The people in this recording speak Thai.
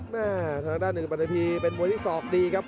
ทางด้านหนึ่งประถัพรีเป็นมัวที่สอกดีครับ